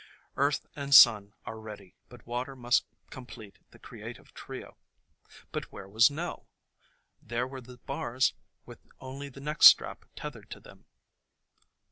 Earth and sun are ready, but water must complete the creative trio. But where was Nell ? There were the bars, with only the neck strap tethered to them.